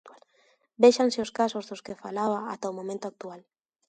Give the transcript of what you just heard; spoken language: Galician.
Véxanse os casos dos que falaba ata o momento actual.